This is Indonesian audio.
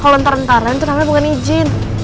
kalo ntar ntaran itu namanya bukan izin